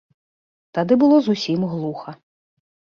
Тады было зусім глуха.